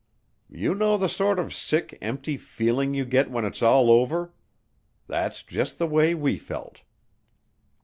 You know the sort of sick, empty feeling you get when it's all over? That's just the way we felt."